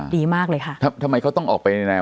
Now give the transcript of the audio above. ดีมากเลยค่ะ